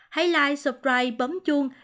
hãy like subscribe bấm chuông